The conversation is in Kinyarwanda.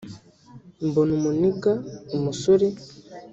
“Mbona umu nigger(umusore)